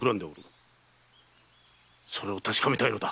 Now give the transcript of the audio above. それを確かめたいのだ。